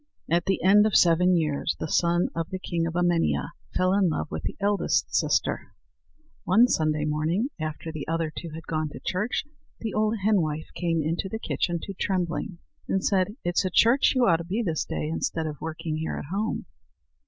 At the end of seven years the son of the king of Emania fell in love with the eldest sister. One Sunday morning, after the other two had gone to church, the old henwife came into the kitchen to Trembling, and said: "It's at church you ought to be this day, instead of working here at home."